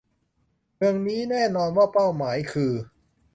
เมืองนี้แน่นอนว่าเป้าหมายคือ